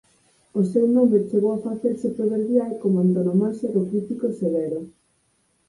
O seu nome chegou a facerse proverbial como antonomasia do crítico severo.